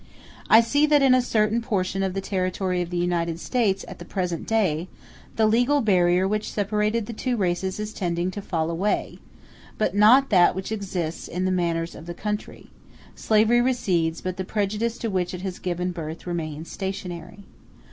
I see that in a certain portion of the territory of the United States at the present day, the legal barrier which separated the two races is tending to fall away, but not that which exists in the manners of the country; slavery recedes, but the prejudice to which it has given birth remains stationary.